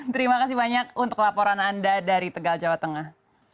terima kasih banyak untuk laporan anda dari tegal jawa tengah